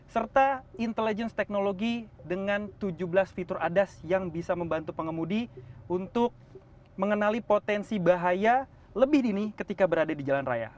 serta intelligence technology dengan tujuh belas fitur adas yang bisa membantu pengemudi untuk mengenali potensi bahaya lebih dini ketika berada di jalan raya